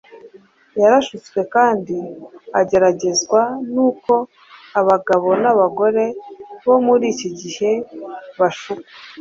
yarashutswe kandi ageragezwa nk’uko abagabo n’abagore bo muri iki gihe bashukwa